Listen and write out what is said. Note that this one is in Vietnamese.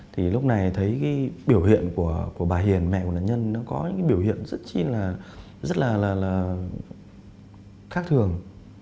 thì lúc này thấy cái biểu hiện của bà hiền mẹ của nạn nhân nó có những biểu hiện rất là khác thường